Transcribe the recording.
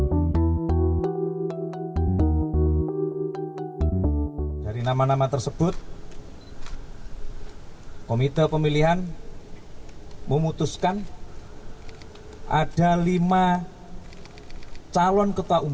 perché hari ini ini aku kira kau untuk mulai libistur dan sangat leban